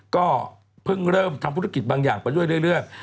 ก็เพิ่งเริ่มทำธุรกิจบางอย่างไปด้วยเรื่อย